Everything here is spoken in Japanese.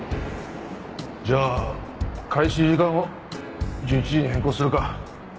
じゃあ開始時間を１１時に変更するか。